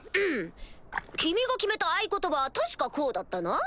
君が決めた合言葉は確かこうだったな？